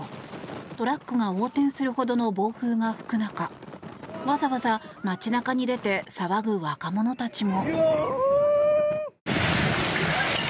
トラックが横転するほどの暴風が吹く中わざわざ街中に出て騒ぐ若者たちも。